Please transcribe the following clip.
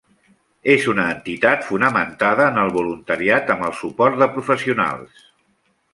És una entitat fonamentada en el voluntariat amb el suport de professionals.